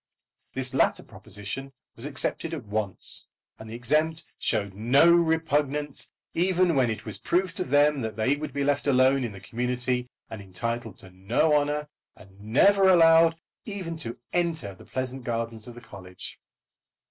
This latter proposition was accepted at once, and the exempt showed no repugnance even when it was proved to them that they would be left alone in the community and entitled to no honour, and never allowed even to enter the pleasant gardens of the college.